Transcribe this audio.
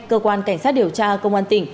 cơ quan cảnh sát điều tra công an tỉnh